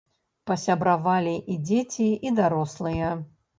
Пасябравалі і дзеці, і дарослыя.